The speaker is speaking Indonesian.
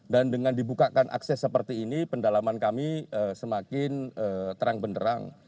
dan dengan dibukakan akses seperti ini pendalaman kami semakin terang benerang